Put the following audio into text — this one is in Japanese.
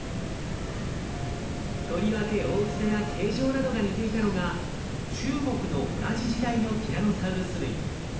とりわけ大きさや形状などが似ていたのが中国の同じ時代のティラノサウルス類。